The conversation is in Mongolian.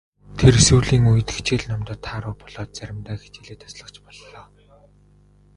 Тэр сүүлийн үед хичээл номдоо тааруу болоод заримдаа хичээлээ таслах ч боллоо.